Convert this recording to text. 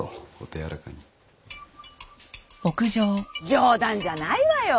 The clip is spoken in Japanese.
冗談じゃないわよ！